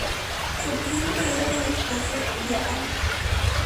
Se persigue la idea del espacio diáfano.